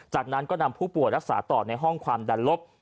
จากนั้นก็นำผู้ป่วยรักษาต่อในห้องความดันลบ